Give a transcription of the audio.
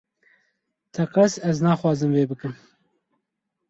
Tekez ez naxwazim vê bikim